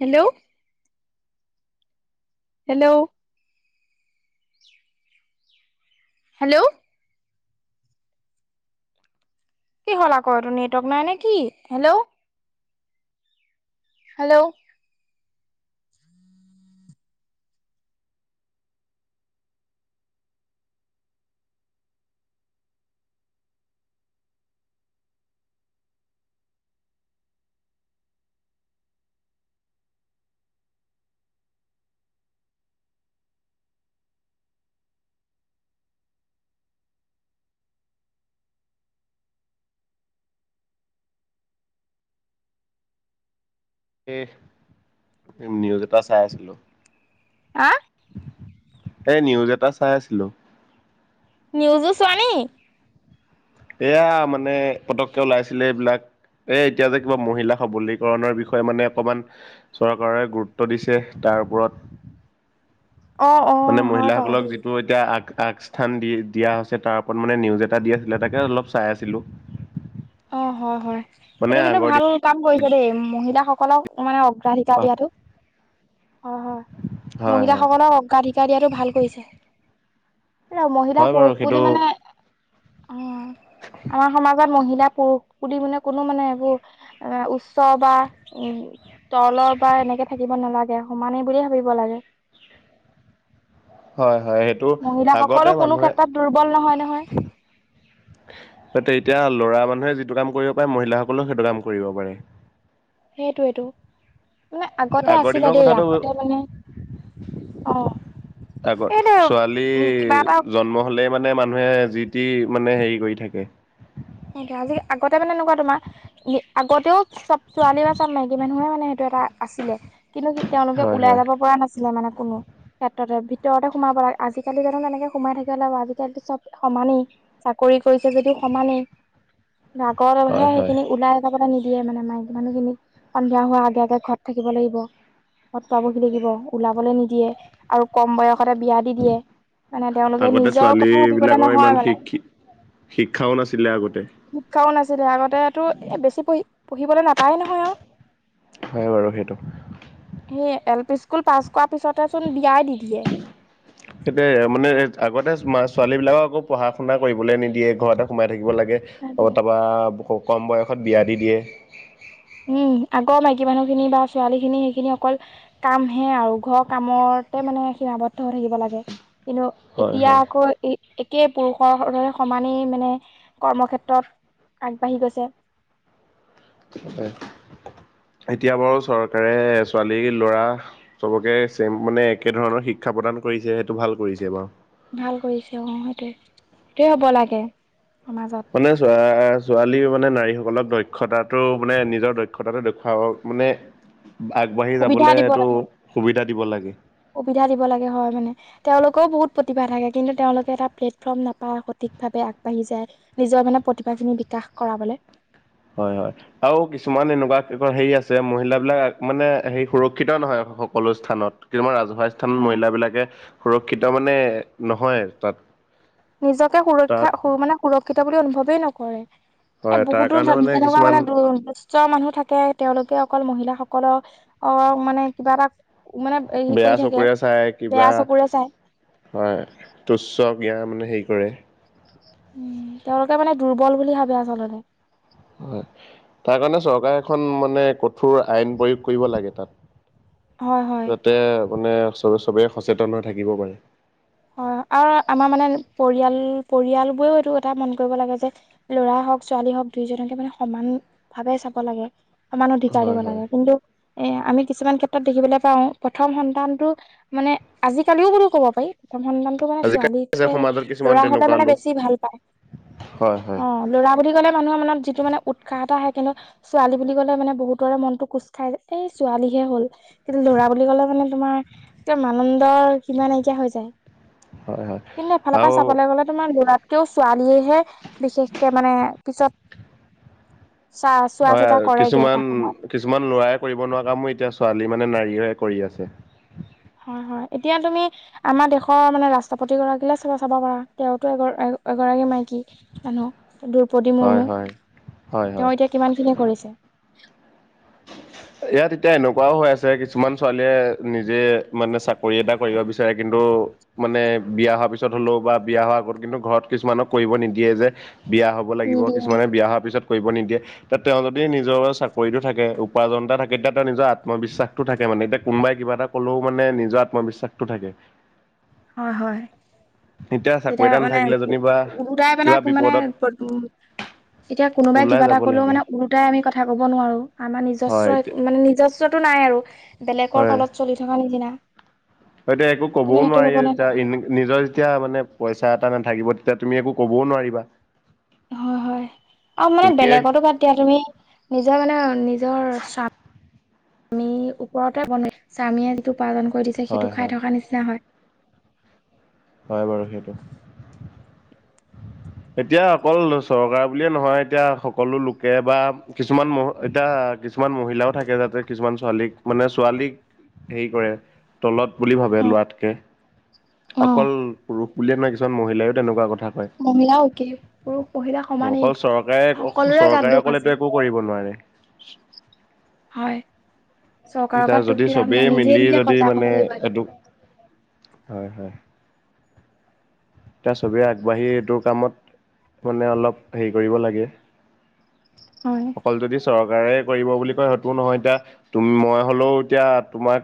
Hello. Hello hello. কি হল আকৌ এইটো নেটৱৰ্ক নাই নেকি? হেল্ল'। হেল্ল'। সেই নিউজ এটা চাই আছিলোঁ। হা? এ নিউজ এটা চাই আছিলো। নিউজো চুৱা নকি? এয়া মানে পতককে ওলাইছিলে এইবিলাক এ এতিয়া যে কিবা মহিলা সবলীকৰণৰ বিষয়ে মানে অকমান চৰকাৰে গুৰুত্ব দিছে। তাৰ ওপৰত [unintelligible] অ মানে হয় মহিলা বাৰু সকলক দেই যিটো এতিয়া আগ আগস্থান দি দিয়া হৈছে তাৰ ওপৰত মানে নিউজ এটা দি আছিলে তাকে অলপ চাই আছিলোঁ। অ হয় হয় এইেইটো কিন্তু ভাল কাম কৰিছে দেই মহিলা সকলক মানে [unintelligible] হয় হয় হয় হয় মহিলাসকলক অগ্ৰাধিকাৰ দিয়াতো ভাল কৰিছে। মহিলা হয় বাৰু পুৰুষ সেইটো বুলি মানে অ আমাৰ সমাজত মহিল পুৰুষ বুলি মানে কোনো মানে এইবোৰ উচ্চ বা উম তলৰ বা এনে থাকিব নালাগে সমানেই বুলিয়ে ভাবিব লাগে। হয় হয় সেইটো আগতে মহিলাসকলো কোনো মানুহে ক্ষেত্ৰত দুৰ্বল নহয় নহয় ত এতিয়া লৰা মানুহে যিটো কাম কৰিব পাৰে মহিলাসকলেও সেইটো কাম কৰিব পাৰে। সেইটোয়েটো মানে আগতে আগৰ আছিলে দিনৰ দেই কথাটো আগতে মানে অ আগত এনে ছোৱালী কিবা এটা জন্ম হলেই মানে মানুহে যি টি মানে হেৰি কৰি থাকে। সেইটো আজি আগতে মানে এনেকুৱা তোমাৰ আগতেও চব ছোৱালী বা চব মাইকী মানুহে মানে সেইটো এটা আছিলে কিন্তু তেওঁলোকে হয় ওলাই হয় যাব পৰা নাছিলে মানে কোনো। ক্ষেত্ৰতে ভিতৰতে সোমাব লাগে আজিকালি জানো তেনেকে সোমাই থাকিব লাগিব আজিকালিটো চব সমানেই চাকৰি কৰিছে যদিও সমানেই নাগৰহে হয় হয়। সেইখিনি ওলাই [inaudible] নিদিয়ে মানে মকী মানুহখিনিক, সন্ধিয়া হোৱাৰ আগে আগে ঘৰত থাকিব লাগিব। [unintelligible] পাবহি থাকিব ওলাবলৈ নিদিয়ে আৰু কম বয়স তে, বিয়া দি দিয়ে মানে তেওঁলোকে আগতে নিজৰ ছোৱালী কথা ভাবিবলে বিলাকৰ ইমান নহয় মানে। শিক্ষি শিক্ষাও নাছিলে আগতে। ছিলে আগতে তটো বেছি পঢ়ি পঢ়িবলৈ নাপায় নহয় আৰু। হয় বাৰু সেইটো। সেই এল পি স্কুল পাছ কৰ পিছতে চোন বিয়াই দি দিয়ে। সেইয়া মানে আগতে ছোৱালী বিলাকক আকৌ পঢ়া শুনা কৰিবলৈ নিদিয়ে ঘৰতে সোমাই থাকিব লাগে তাৰপা কম বয়সত বিয়া দি দিয়ে। উম আগৰ মাইকী মানুহ খিনি বা ছোৱালী খিনি সেইখিনি অকল কামহে আৰু ঘৰৰ কামৰ মানে সীমাবদ্ধ হৈ থাকিব লাগে কিন্তু হয় এতিয়া হয় আকৌ একেই পুৰুষৰ দৰে সমানেই মানে কৰ্মক্ষেত্ৰত আগবাঢ়ি গৈছে। [inaudible] এতিয়া বাৰু চৰকাৰে ছোৱালী ল'ৰা চবকে চম মানে একে ধৰণৰ শিক্ষা প্ৰদান কৰিছে সেইটো ভাল কৰিছে বাৰু। ভাল কৰিছে অ সেইটোয়ে সেইটোয়ে হ'ব লাগে। সমাজত শুনেছোৱাচ। ছোৱালী মানে নাৰীসকলক দক্ষতাটো মানে নিজৰ দক্ষতাটো দেখুৱাব মানে আগবাঢ়ি সুবিধা যাবলৈ দিব এইটো লাগে সুবিধা দিব লাগে। সুবিধা দিব লাগে হয় মানে তেওঁলোকেও বহুত প্ৰতিভা থাকে কিন্তু তেওঁলোকে এটা প্লেটফৰ্ম নাপায় সথিক। আৰ্থিক ভাৱে আগবাঢ়ি যায় নিজৰ মানে প্ৰতিভাখিনি বিকাশ কৰাবলৈ। হয় হয়, আৰু কিছুমান এনেকুৱা হেৰি আছে মহিলাবিলাক মানে হেৰি সুৰক্ষিত নহয়। সকলো স্থানত কিন্তু ৰাজুৱ স্থানত মহিল বিলাকে সুৰক্ষিত মানে নহয় তাত। নিজকে তাত সুৰক্ষা মানে সুৰক্ষিত বুলি অনুভৱেই নকৰে। এ হয় তাৰ বহুত দূৰ কাৰণে ধ তেনেকুৱা কিছুমান মানে দ দুস্থ মানুহ থাকে তেওঁলোকে অকল মহিলাসকলক আহ মানে কিবা এটা মানে হেৰি কৰি বেয়া থাকে চকুৰে চাই কিবা বেয়া চকুৰে চাই হয় তুচ্চক বেয়া মানে হেৰি কৰে। উম, তেওঁলোকে মানে দুৰ্বল বুলি ভাবে আচলতে। হয়, তাৰ কাৰণে চৰকাৰে এখন মানে ক কঠোৰ আইন প্ৰয়োগ কৰিব লাগে তাত, হয় হয় যাতে মানে চব চবেই সচেতন হৈ থাকিব পাৰে। হয় আৰু আমাৰ মানে পৰিয়াল পৰিয়াল বোৰেও এইটো কথা মন কৰিব লাগে যে ল'ৰা হওঁক ছোৱালী হওঁক দুইজনকে মানে সমান ভাৱে চাব লাগে সমান অধিকাৰ দিব হয় হয় লাগে কিন্তু এ আমি কিছুমান ক্ষেত্ৰত দেখিবলৈ পাও প্ৰথম সন্তানটো মানে আজিকালিও বোলো কব পাৰি। প্ৰথম সন্তামটো মানে আজিকালি আছে ছোৱালীতকে সমাজত কিছুমান ল'ৰা হলে তেনেকুৱা মানে লোক বেছি ভাল পায়। হয় হয় অ' ল'ৰা বুলি ক'লে মানুহৰ মনত যিটো মানে উৎসাহ এটা আহে কিন্তু ছোৱালী বুলি ক'লে মানে বহুতৰে মনটো কোচ খাই যায় এই ছোৱালীহে হল কিন্তু লৰা বুলি ক'লে মানে তোমাৰ মানন্দ সীমা নাইকিয়া হৈ যায়। হয় হয় কিন্তু এফালৰ পৰা আৰু চাবলৈ গ'লে তোমাৰ লৰা তেওঁ ছোৱালীয়েহে বিশেষকে মানে পিছত চা চোৱা হয় চিতা কৰেগে এটা কিছুমান সময়ত কিছুমান লৰাই কৰিব নোৱাৰা কামো এতিয়া ছোৱালী মানে নাৰীয়েৰে কৰি আছে। [unintelligible] হয় হয় এতিয়া তুমি আমাৰ দেশৰ মানে ৰাষ্ট্ৰপতি গৰাকী চাই চাব পাৰা তেওঁতো এগৰাকী মাইকী মানুহ দ্ৰৌপদী হয় মুৰ্মু হয় হয় হয় তেওঁ এতিয়া কিমান খিনি কৰিছে। [inaudible] ইয়াত এতিয়া এনেকুৱাও হৈ আছে কিছুমান ছোৱালীয়ে নিজে মানে চাকৰি এটা কৰিব বিচাৰে কিন্তু মানে বিয়া হোৱা পিছত হলেও বা বিয়া হোৱাৰ আগত কিন্তু ঘৰত কিছুমানক কৰিব নিদিয়ে যে। বিয়া হ'ব লাগিব নিদিয়ে কিছুমানে বিয়া হোৱাৰ পিছত কৰিব নিদিয়ে তে তেওঁ যদি নিজৰ চাকৰি জনন্তা থাকে তাত টা নিজৰ আত্মবিশ্বাস টো থাকে মানে এতিয়া কোনোবাই কিবা এটা কলেও মানে নিজৰ আত্মবিশ্বাসটো থাকে। হয় হয়। এতিয়া চাকৰি তেতিয়া এটা মানে নাথাকিলে যেনিবা উৰাাই কিবা পেলাক মানে বিপদত উ। এতিয়া কোনোবাই ওলাই কিবা এটা যাব কলেও লাগে মানে ওলোটাই আমি কথা ক'ব নোৱাৰো আমাৰ নিজ হয় এতিয়া মানে নিজস্বতো নাই আৰু বেলেগৰ তলত চলি থকা নিচিনা। সেটোৱে একো কিন্তু ক'বই সেইটো নোৱাৰি হ'ব নালাগে যেতিয়া নিজৰ যেতিয়া মানে পইচা এটা নাথাকিব এতিয়া তুমি একো ক'বও নোৱাৰিবা। হয় - হয় আৰু মানে তুমিয়ে বেলেগতো বাদ দিয়া তুমি নিজৰ মানে নিজৰ স্বাম মীৰ ওপৰতে বনে স্বামীয়ে যিটো উপাৰ্জন কৰি দিছে হয় সেইটো খাই হয় থকাৰ নিচিনা হয়। হয় বাৰু সেইটো। এতিয়া অকল চৰকাৰ বুলিয়ে নহয় এতিয়া সকলো লোকে বা কিছুমান মহ ইতা কিছুমান মহিলাও থাকে যাতে কিছুমান ছোৱালীক মানে ছোৱালীক হেৰি কৰে তলত বুলি ভাবে লোৱাতকে অকল পুৰুষ বুলিয়ে নহয় কিছুমান মহিলায়ও তেনেকুৱা কথা ক মহিলা কি পুৰুষ মহিলা সমানেই অকল চৰকাৰে সকলোৰে গাত চৰকাৰে দুখ আছে অকলেতটো একো কৰিব নোৱাৰে। হয়। চৰকাৰৰ এতিয়া গাত দুখ যদি দি লাভ চবেই নাই নিজে মিলি নিজে যদি সজাগ হ'ব মানে লাগিব এইটো হয় হয়। এতিয়া সবে আগবাঢ়ি এইটো কামত মানে অলপ হেৰি কৰিব লাগে। হয় অকল যদি চৰকাৰে কৰিব বুলি কয় সেইটো নহয় এতিয়া তুম মই হলেও এতিয়া তোমাক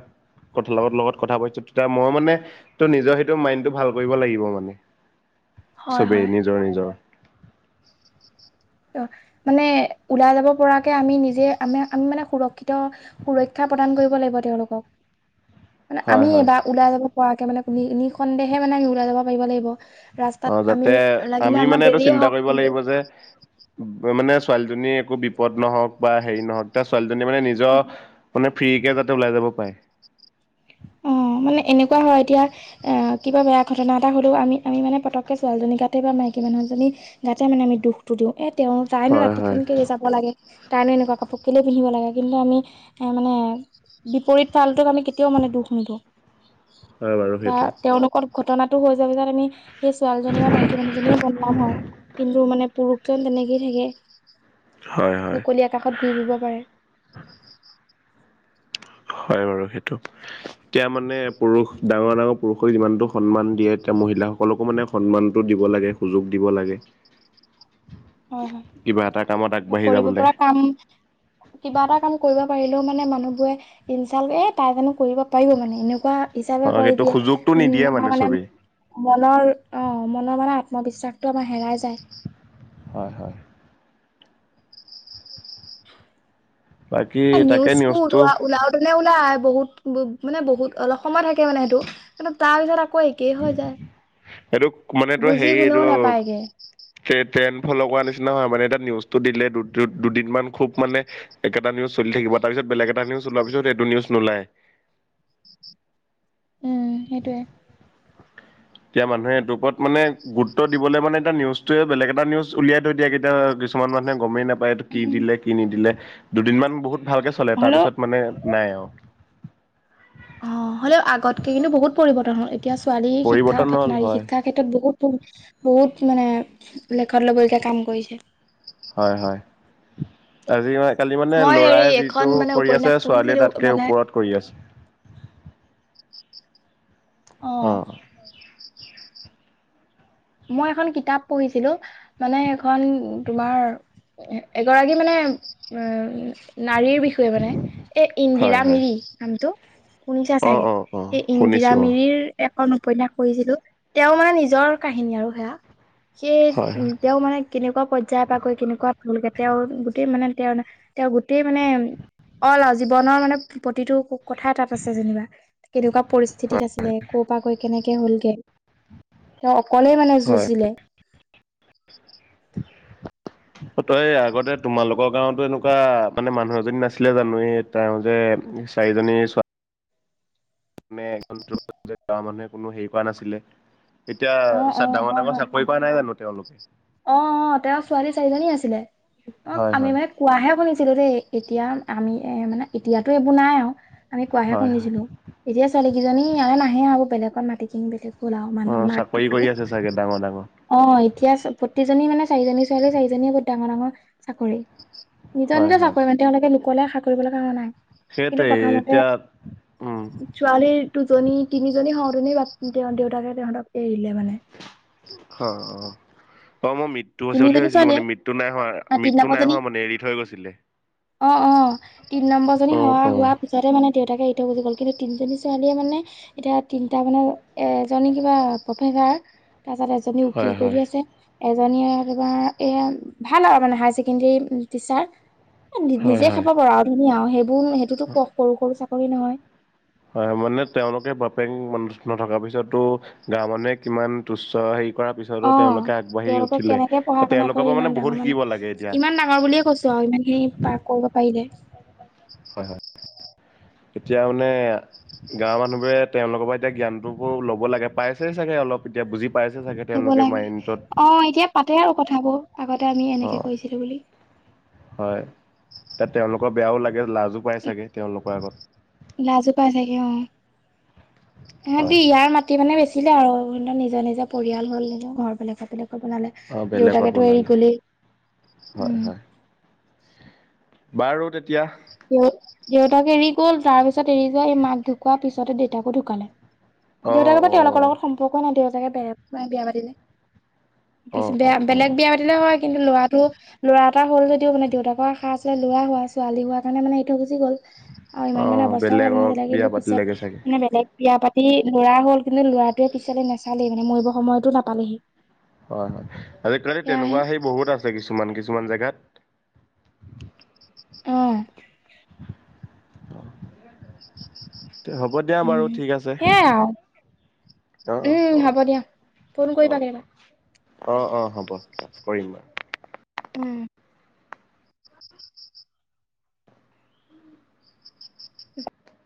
কথাৰ লগত লগত কথা পাতিছো তেতিয়া মই মানে ত নিজৰ সেইটো মাইণ্ডটো ভাল কৰিব লাগিব মানে। হয় চবেই হয়। নিজৰ- নিজৰ। অ মানে ওলাই যাব পৰাকে আমি নিজে আমি আমি মানে সুৰক্ষিত সুৰক্ষা প্ৰদান কৰিব লাগিব তেওঁলোকক। মানে হয় আমি হয় এবাৰ ওলাই যাব পৰাকে মানে কুনি নি সন্দেহে মানে আমি ওলাই যাব পাৰিব লাগিব। ৰাস্তাত অ আমি যাতে লাগিলে আমি আমাৰ মানে এইটো দেৰিয়ে চিন্তা হওক কৰিব কিন্তু লাগিব যে মানে ছোৱালীজনী একো বিপদ নহওক বা হেৰি নহওক এ ছোৱালীজনী মানে নিজৰ মানে। ফ্ৰীকে যাতে ওলাই যাব পায় অ অ, মানে এনেকুৱা হয় এতিয়া অ, কিবা বেয়া ঘটনা এটা হলেও আমি - আমি মে পতকে ছোৱালী গাতে বা মাইকী কি মানুহজনী গাতে মানে আমি দুখটো দিওঁ এ তেওঁ তাইনো হয় ৰাতিখন হয় কেলে যাব লাগে তাই নো এনেকুৱা কাপোৰ কেলেই পিন্ধিব লাগে কিন্তু আমি এ মানে বিপৰীত ফালটোক আমি কেতিয়াও মানে দুখ নিদো হয় বাৰু বা সেইটো তেওঁ লগত ঘটনাটো হৈ যোৱা পিছত আমি সেই ছোৱালীজনী বা মাইকী মানুহজনী বনাম হয় কিন্তু মানে পুৰুষজন তেনেকেই থাকে। হয় হয় মুকলি আকাশত ঘূৰি ফুব পাৰে। হয় বাৰু সেইটো এতিয়া মানে পুৰুষ ডাঙৰ- ডাঙৰ পুৰুষক যিমানতটো সন্মান দিয়ে। এয়া মহিলাসকলকো মানে সন্মানতটো দিব লাগে সুযোগ দিব লাগে। উ [inaudible] হয় কিবা এটা কামত হয় আগবাঢ়ি কৰিব যাবলৈ পৰা কাম কিবা এটা কাম কৰিব পাৰিলেও মানে মানে মানুহ বোৰে ইচাল্ট এ তাই জানো কৰিব পাৰিব মানে এনেকুৱা হিচাপে হয় কৰি সেইটো দিয়ে সুযোগটো উম নিদিয়ে আমাৰ মানে চবেই মনৰ অ মনৰ মানে আত্মা বিশ্বাসটো আমাৰ হেৰাই যায় হয় - হয়। বাকী এ তাকে নিউজবো নিউজটো ওলোৱা উলাওতেনে ওলাই বহুত মানে বহুত অলপ সময় থাকে মানে সেইটো কিন্তু তাৰ পিছত আকৌ একেই হৈ যায় এইটোক মানে টোৰ বুজি হেৰি কোনেও এইটো নাপায়গে ট্ৰেদ ট্ৰেণ্ড ফল কৰা নিচিনা হয় মানে এটা নিউজটো দিলে দু - দুদিন মমান খুব মানে একেটা নিউজ চলি থাকিব। তাৰপিছত বেলেগ এটা নিউজ ওলোৱা পিছত এটো নিউজ নোলায় উম, সেইটোৱে এতিয়া মানুহে এইটোৰ ওপৰত মানে গুৰুত্ব দিবলৈ মানে এতিয়া নিউজটোৱে বেলেগ এটা নিউজ উলিয়াই থৈ দিয়ে কেতিয়া। কিছুমান মানুহে গমেই নাপায় এইটো কি উম দিলে কি নিদিলে দুদিনমান বহুত ভালকে চলে হ'লেও তাৰপিছত মানে। নাই অ, অ হ'লেও আগতকে কিন্তু বহুত পৰিৱৰ্তন হ'ল এতিয়া ছোৱালীৰ পৰিৱৰ্তন শিক্ষাৰ হ'ল নাৰী হয় শিক্ষাৰ ক্ষেত্ৰত বহুত বহুত বহুত মানে লেখত ল'বলগীয়া কাম কৰিছে হয় হয় আজি মই কালি মানে মই হেৰি ল'ৰাই এখন যিটো মানে কৰি আছে উপন্যাস ছোৱালীয়ে পঢ়িছিলো তাতকে মানে ওপৰত কৰি আছে। [inaudible] অ। মই এখন কিতাপ পঢ়িছিলো মানে এখন তোমাৰ এগৰাকী মানে এ নাৰীৰ বিষয়ে মানে, এই হয় ইন্দিৰা হয় মিৰি নামটো। সুনিছা অ চাগে, অ অ এই ইন্দিৰা শুনিছো অ মিৰিৰ এখন উপন্যয়াস পঢ়িছিলো, তেওঁ মানে নিজৰ কাহিনী আৰু সেয়া সেই হয় উ হয় তেওঁ মানে কেনেকুৱা পৰ্যায়ৰ পৰাকৈ কেনেকুৱা হ'লগে, তেওঁৰ গোটেই মানে, তেওঁৰ, তেওঁৰ গোটেই মানে অ লও জীৱনৰ মানে প্ৰতিটো কথাই তাত আছে যেনিবা, কেনেকুৱা হয় পৰিস্থিতিত আছিলে ক পাগল কেনেকে হ'লগে। তেওঁ অকলেই মানে হয়। যুঁজিলে [inaudible] তই আগতে তোমালোকৰ গাঁওতো এনেকুৱা মানে মানুহ এজনী নাছিলে জানো, এই তেওঁ যে চাৰিজনী ছোৱা। নে এগ যে গাঁৱৰ মানুহে কোনো হেৰি কোৱা নাছিলে। এতিয়া অ', চা অ', হয়, ডাঙৰ-ডাঙৰ হয়, চাকৰি পোৱা নাই জানো তেওঁলোকে? অ- অ তেওঁৰ ছোৱালী চাৰিজনী আছিলে অ হয় আমি হয় মানে কোৱাহে শুনিছো ছিলো দেই, এতিয়া আমি এ মানে এতিয়াতো এইবোৰ নাই আৰু। আমি কোৱাহে হয় হয় শুনিছিলো, এতিয়া ছোৱালী কেইজনী ইয়ালে নাহে আও বেলেগত মাটি কিনি বেলেগ কলে আও অ মানুহ মাক চাকৰি ধুকালে কৰি আছে চাগে ডাঙৰ ডাঙৰ এতিয়া প্ৰতিজনী মানে চাৰিজনী ছোৱালী চাৰিজনীয়ে বহুত ডাঙৰ-ডাঙৰ চাকৰি। নিজৰ হয় নিজৰ হয় চাকৰি মানে তেওঁলোকে লোকলে আশা কৰিব লগা হোৱা নাই কিন্তু সেইটোৱে প্ৰথমতে এতিয়া উম ছোৱালীৰ দুজনী তিনিজনী হওওঁ তুমি তেওঁৰ দেউতাকে তেহঁতক এৰি অ। অ মই মৃত্যু হৈছে বুলি তিনিজনী ভাবিছিলো, মানে ছোৱালীয়ে মৃত্যু নাই হোৱা, আ তিনি মৃত্যু নাই নম্বৰজনী হোৱা, মানে এৰি থৈ গৈছিলে। অ, অ, তিন নম্বৰজনী অ হ অ হোৱাৰ পিছতে মানে দেউতাকে ই থ বুজি গল কিন্তু তিনিজনী ছোৱালীয়ে মানে এতিয়া তিনিটা মানে এজনী কিবা প্ৰে তাৰপিছত এজনী উকিল হয় হয় কৰি আছে, এজনীয়ে এ এই ভাল আৰু মানে হায় ছেকেণ্ডৰী টিচাৰ। হয় নিজে হয় খাব পাৰ আৰু ধুনীয়া সেইবোৰ সেইটোতো ক সৰু সৰু চাকৰি নহয়। হয় মানে তেওঁলোকে বাপেক নথকাৰ পিছতো গাওঁ মানুহে কিমান তুচ্ছ হে কৰাৰ পিছতো অ তেওঁলোকে আগবাঢ়ি তেওঁলোকে উঠিলে কেনেকে পঢ়া শুনা তেওঁলোকৰ কৰি পৰা মানে ইমান ডাঙৰ বহুত শিকিব লাগে এতিয়া ইমান ডাঙৰ বুলিয়ে কৈছো ইমান খিনী পাৰ কৰিব পাৰিলে হয় হয় এতিয়া মানে গাঁৱৰ মানুহোৰে তেওঁলৰ পৰা এতিয়া জ্ঞানটো ল'ব লাগে পাইছে চাগে অলপ এতিয়া বুজি পাইছে চাগে লব তেওঁলোকে লাগে মাইণ্ডত অ' এতিয়া পাতে আৰু কথাবোৰ আগতে। আমি অ, এনেকে কৰিছিলো বুলি হয়, তেওঁলোক বেয়াও লাগে লাজো পাই চাগে তেওঁলোকৰ আগত। লাজোপাাই চাগে অ হেহতি হয় ইয়াৰ মাটি মানে বেছি এতিয়া আৰু নিজৰ-নিজৰ পৰিয়াল হ'ল নি ঘৰ বনালে অ বেলেগত দেউতাকেতো এৰি বনালে গলেই, হয় উম। হয় বাৰু তে [inaudible] দেউতাকে এৰি গ'ল তাৰ পিছত এৰি যোৱা এই মাক ঢুকোৱাৰ পিছতে দেউতাকো ঢুকালে অ দেউতাকৰ পৰা অ তেওঁলোকৰ লগত সম্পৰ্কই নাই, দেউতাকে বে বিয়া পাতিলে। অ পিছে অ বেয়া, অ বেলেগ বিয়া পাতিলে হয়। কিন্তু ল'ৰাটো, ল'ৰা এটা হ'ল যদিও মানে দেউতাকৰ আশা আছিলে ল'ৰা হোৱা ছোৱালী হোৱা। তণে মানে ই থ গুচি গ'ল, আৰু ইমান অ মানে অৱস্থাও ভাল বেলেগক নাছিলে, বিয়া কিন্তু, পিছত পাতিলেগে চাগে মানে বেলেগ। বিয়া পাতি লৰা হ'ল। কিন্ত ল'ৰাটোৱে পিছলে নাচালে মানে মৰিব সময়তো নাপালেহি। হয়, হয় আজিকালি সেয়াহে তেনেকুৱা, সেই বহুত আছে কিছুমান কিছুমান। কিছুমান জেগাত। অ। হ'ব দিয়া উ, বাৰু ঠিক আছে সেই আৰু অ অ উম, অ হ'ব দিয়া ফোন অ কৰিবা কেতিয়াবা। অ', অ', হ'ব কৰিম বাৰু। উম।